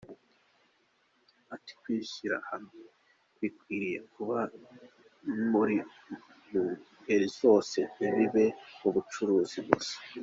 Ati” Kwishyira hamwe bikwiye kuba mu ngeri zose, ntibibe mu bucuruzi gusa.